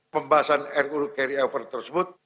pembahasan ruu carryover tersebut